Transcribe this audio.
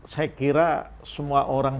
saya kira semua orang